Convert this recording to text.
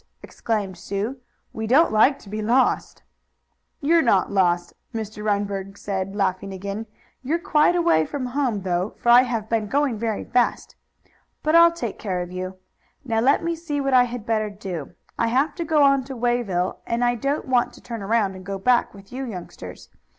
exclaimed Sue. "We don't like to be lost!" "You're not lost," Mr. Reinberg said, laughing again. "You're quite a way from home, though, for I have been going very fast. But I'll take care of you. Now let me see what I had better do. I have to go on to Wayville, and I don't want to turn around and go back with you youngsters.